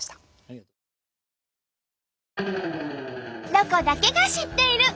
「ロコだけが知っている」。